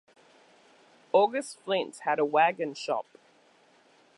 August Flint had a wagon shop.